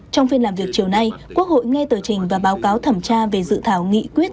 trong phiên làm việc chiều nay quốc hội nghe tờ trình và báo cáo thẩm tra về dự thảo nghị quyết